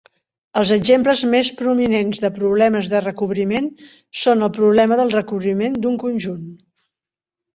Els exemples més prominents de problemes de recobriment són el problema del recobriment d'un conjunt.